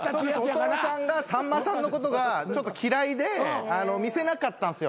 お父さんがさんまさんのことがちょっと嫌いで見せなかったんですよ